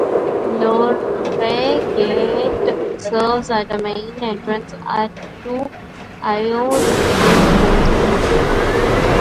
Lohari Gate served as the main entrance to Ayaz's mud fort.